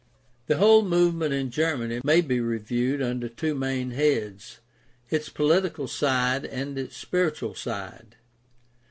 — The whole movement in Germany may be reviewed under two main heads, its political side and its spiritual side.